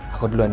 aku duluan ya